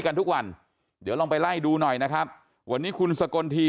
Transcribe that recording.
กันทุกวันเดี๋ยวลองไปไล่ดูหน่อยนะครับวันนี้คุณสกลที